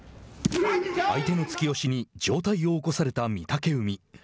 相手の突き押しに上体を起こされた御嶽海。